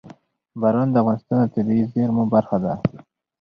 باران د افغانستان د طبیعي زیرمو برخه ده.